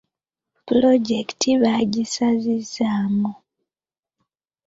Pulojekiti baagisazizzaamu.